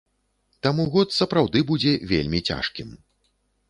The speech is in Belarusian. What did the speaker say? Таму год сапраўды будзе вельмі цяжкім.